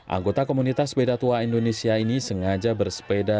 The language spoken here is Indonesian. anggota komunitas sepeda tua indonesia ini sengaja bersepeda